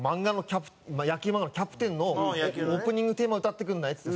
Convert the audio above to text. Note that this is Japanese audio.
野球漫画の「『キャプテン』のオープニングテーマ歌ってくれない？」っつって。